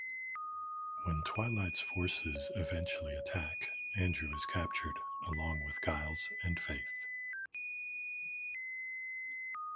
When Twilight's forces eventually attack, Andrew is captured along with Giles and Faith.